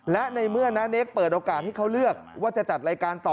และในเมื่อน้าเนคเปิดโอกาสให้เขาเลือกว่าจะจัดรายการต่อ